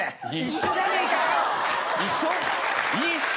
一緒じゃねえかよ！